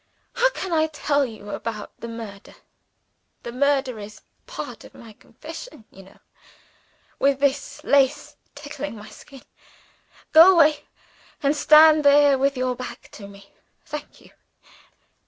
How can I tell you about the murder (the murder is part of my confession, you know), with this lace tickling my skin? Go away and stand there with your back to me. Thank you.